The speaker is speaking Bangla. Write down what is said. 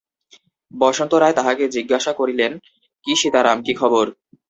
বসন্ত রায় তাহাকে জিজ্ঞাসা করিলেন, কী সীতারাম, কী খবর?